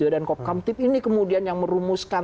dan kop kamtip ini kemudian yang merumuskan